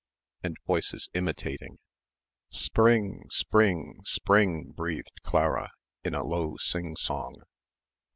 and voices imitating. "Spring! Spring! Spring!" breathed Clara, in a low sing song.